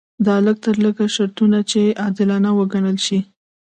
دا لږ تر لږه شرطونه دي چې عادلانه وګڼل شي.